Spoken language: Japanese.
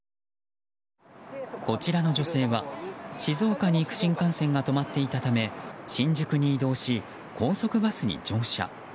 こちらの女性は、静岡に行く新幹線が止まっていたため新宿に移動し高速バスに乗車。